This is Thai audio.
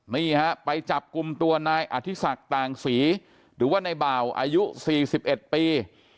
นี่ฮะไปจับกลุ่มตัวนายอธิศักดิ์ต่างศรีหรือว่าในบ่าวอายุ๔๑ปี